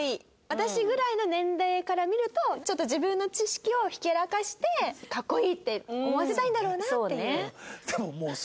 私ぐらいの年齢から見るとちょっと自分の知識をひけらかして格好いいって思わせたいんだろうなっていう。